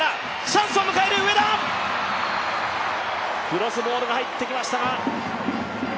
クロスボールが入ってきましたが。